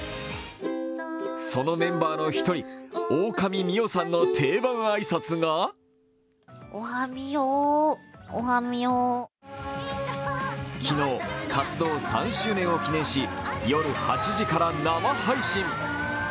そのメンバーの１人、大神ミオさんの定番挨拶が昨日、活動３周年を記念し、夜８時から生配信。